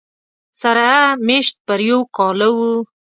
سره مېشت پر یو کاله و